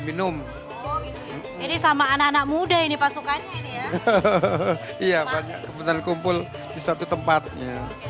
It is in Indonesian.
minum ini sama anak anak muda ini pasukannya iya banyak kebetulan kumpul di suatu tempatnya